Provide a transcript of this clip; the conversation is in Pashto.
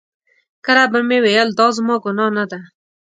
کله به مې ویل دا زما ګناه نه ده.